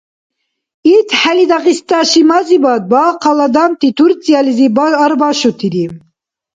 ИтхӀели Дагъиста шимазибад бахъал адамти Турциялизи арбашутири.